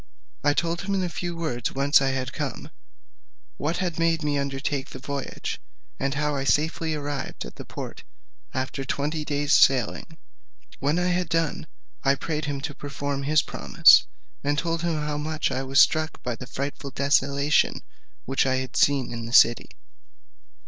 I told him in a few words whence I had come, what had made me undertake the voyage, and how I safely arrived at the port after twenty days' sailing; when I had done, I prayed him to perform his promise, and told him how much I was struck by the frightful desolation which I had seen in the city.